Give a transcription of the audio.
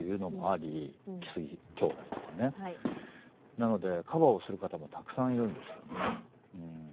なのでカバーをする方もたくさんいるんですよね。